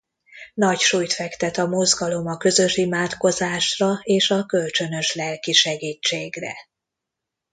Nagy súlyt fektet a mozgalom a közös imádkozásra és a kölcsönös lelki segítségre.